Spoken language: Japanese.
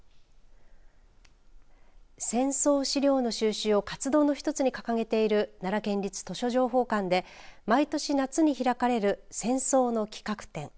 戦争資料の収集を活動の一つに掲げている奈良県立図書情報館で毎年夏に開かれる戦争の企画展。